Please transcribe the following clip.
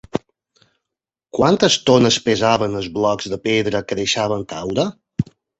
Quantes tones pesaven els blocs de pedra que deixaven caure?